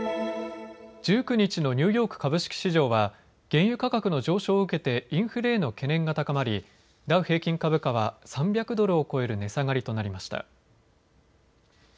１９日のニューヨーク株式市場は原油価格の上昇を受けてインフレへの懸念が高まりダウ平均株価は３００ドルを超える値下がりとなりました。